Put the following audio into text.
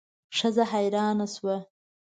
ښځه حیرانه شوه.